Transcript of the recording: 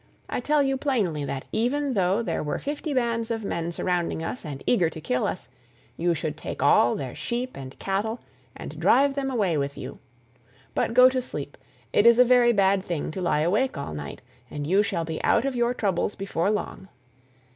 I tell you plainly that even though there were fifty bands of men surrounding us and eager to kill us, you should take all their sheep and cattle, and drive them away with you. But go to sleep; it is a very bad thing to lie awake all night, and you shall be out of your troubles before long."